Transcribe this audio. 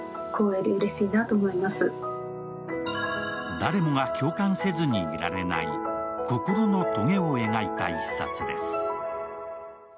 誰もが共感せずにいられない、心のとげを描いた一冊です。